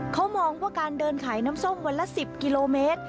เขามองว่าการเดินขายน้ำส้มวันละ๑๐กิโลเมตร